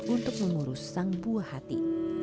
untuk mengurus sang buah hati